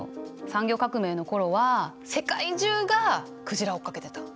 産業革命の頃は世界中が鯨を追っかけてたの。